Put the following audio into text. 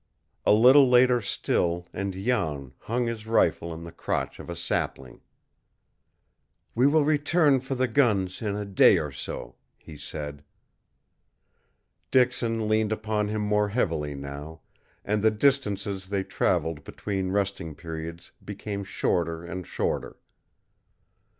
A little later still and Jan hung his rifle in the crotch of a sapling. "We will return for the guns in a day or so," he said. Dixon leaned upon him more heavily now, and the distances they traveled between resting periods became shorter and shorter.